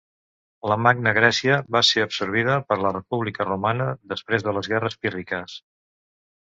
La Magna Grècia va ser absorbida per la República Romana després de les guerres pírriques.